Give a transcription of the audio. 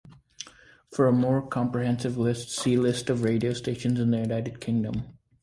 For a more comprehensive list see List of radio stations in the United Kingdom.